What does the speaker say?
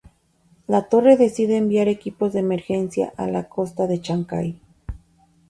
La torre decide enviar equipos de emergencia a la costa de Chancay.